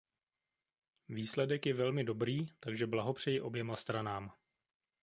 Výsledek je velmi dobrý, takže blahopřeji oběma stranám.